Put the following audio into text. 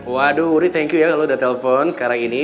waduh ini thank you ya kalau udah telpon sekarang ini